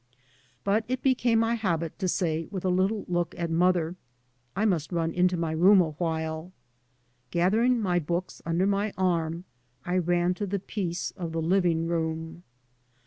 But it became my habit to say, with a little look at mother: "I must run into my room a while." Gathering my books under my arm I ran to the peace of the living room.